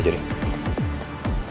sekarang gini aja deh